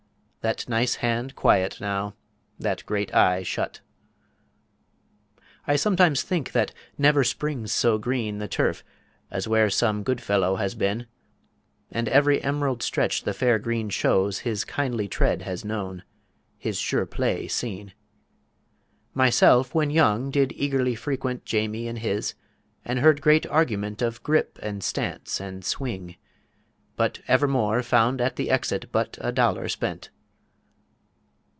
That nice hand quiet now, that great Eye shut. I sometimes think that never springs so green The Turf as where some Good Fellow has been, And every emerald Stretch the Fair Green shows His kindly Tread has known, his sure Play seen. Myself when young did eagerly frequent Jamie and His, and heard great argument Of Grip and Stance and Swing; but evermore Found at the Exit but a Dollar spent.